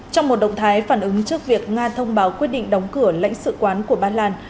trong một động thái phản ứng trước việc nga thông báo quyết định đóng cửa lãnh sự quán của ba lan